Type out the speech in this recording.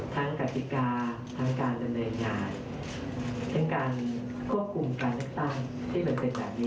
ทั้งกฎิกาทั้งการละเนินงานถึงการควบคุมการลักษาที่มันเสร็จแบบนี้